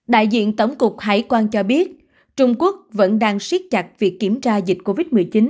đại diện tổng cục hải quan cho biết trung quốc vẫn đang siết chặt việc kiểm tra dịch covid một mươi chín